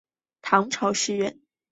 唐朝诗人。